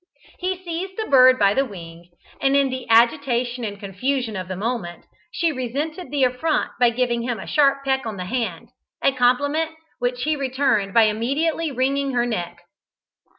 He seized the bird by the wing, and in the agitation and confusion of the moment, she resented the affront by giving him a sharp peck on the hand, a compliment which he returned by immediately wringing her neck.